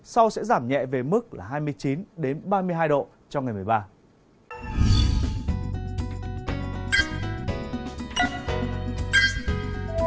sau sẽ giảm nhẹ về mức là hai mươi chín ba mươi hai độ trong ngày một mươi ba